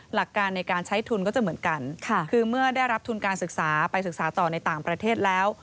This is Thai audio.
หลักการในการใช้ทุนก็จะเหมือนกันคือเมื่อได้รับทุนการศึกษาไปศึกษาต่อในต่างประเทศแล้ว